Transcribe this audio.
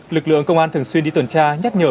lực lượng công an thường xuyên đi tuần tra nhắc nhở